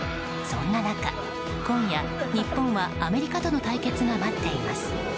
そんな中、今夜、日本はアメリカとの対決が待っています。